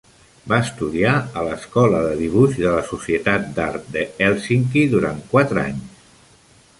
Va estudiar a l'Escola de Dibuix de la Societat d'Art de Hèlsinki durant quatre anys.